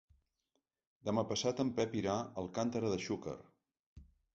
Demà passat en Pep irà a Alcàntera de Xúquer.